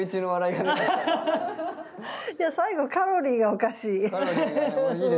いや最後「カロリー」がおかしい。